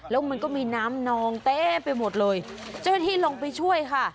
แล้วมันก็มีน้ำนองเต้ไปหมดเลยเจ้าหน้าที่ลงไปช่วยค่ะ